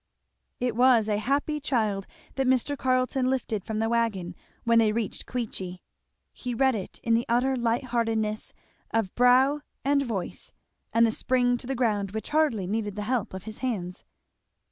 It was a happy child that Mr. Carleton lifted from the wagon when they reached Queechy. He read it in the utter lightheartedness of brow and voice, and the spring to the ground which hardly needed the help of his hands.